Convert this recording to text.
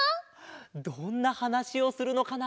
どんなはなしをするのかな？